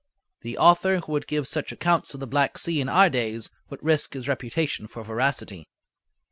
The author who would give such accounts of the Black Sea in our days would risk his reputation for veracity.